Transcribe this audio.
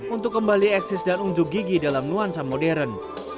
untuk kembali eksis dan unjuk gigi dalam nuansa modern